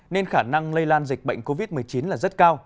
nên khả năng lây lan dịch bệnh covid một mươi chín là rất cao